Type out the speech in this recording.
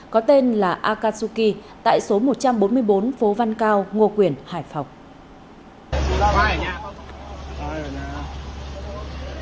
có tên là akatsuki tại số một trăm bốn mươi bốn phố thành công quận hà đông thành phố hà nội